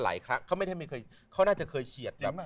แม้เขามีเกณฑ์อุบัติเหตุ